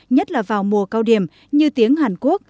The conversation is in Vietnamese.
nhất là vào mùa cao điểm như tiếng hàn quốc